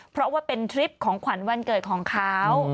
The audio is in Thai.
เพราะว่าเป็นทริปของขวัญวันเกิดของเขา